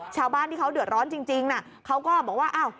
ชาวบ้านที่เขาเดือดร้อนจริงนะเขาก็บอกว่าอ้าว